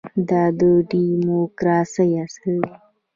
دا د ډیموکراسۍ اصل دی.